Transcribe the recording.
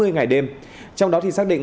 chín mươi ngày đêm trong đó thì xác định